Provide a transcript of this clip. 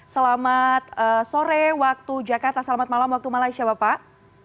selamat sore waktu jakarta selamat malam waktu malaysia bapak